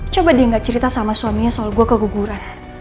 coba dia nggak cerita sama suaminya soal gue keguguran